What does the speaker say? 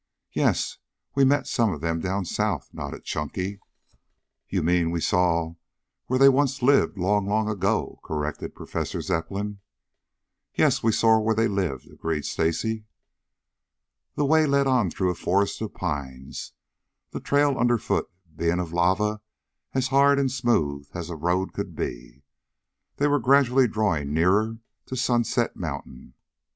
"Yes, we met some of them down south," nodded Chunky. "You mean we saw where they once lived long, long ago," corrected Professor Zepplin. "Yes, we saw where they lived," agreed Stacy. The way led on through a forest of pines, the trail underfoot being of lava, as hard and smooth as a road could be. They were gradually drawing nearer to Sunset Mountain.